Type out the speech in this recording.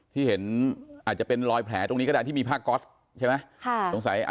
ที่เห็นอาจจะเป็นรอยแผลตรงนี้ก็ได้ที่มีผ้าก๊อตใช่ไหม